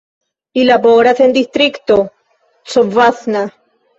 Li laboras en Distrikto Covasna.